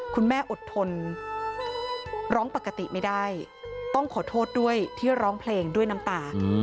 อดทนร้องปกติไม่ได้ต้องขอโทษด้วยที่ร้องเพลงด้วยน้ำตา